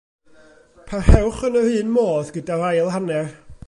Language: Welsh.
Parhewch yn yr un modd gyda'r ail hanner.